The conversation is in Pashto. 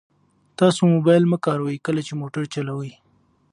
تاسو موبایل مه کاروئ کله چې موټر چلوئ.